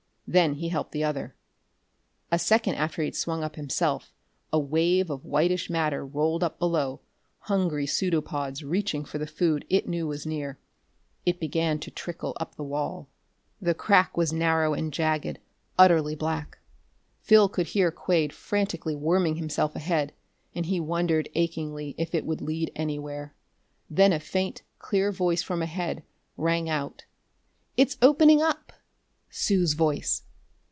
Then he helped the other. A second after he had swung himself up, a wave of whitish matter rolled up below, hungry pseudopods reaching for the food it knew was near. It began to trickle up the wall.... The crack was narrow and jagged; utterly black. Phil could hear Quade frantically worming himself ahead, and he wondered achingly if it would lead anywhere. Then a faint, clear voice from ahead rang out: "It's opening up!" Sue's voice!